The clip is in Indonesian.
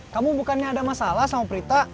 kamu bukannya ada masalah sama prita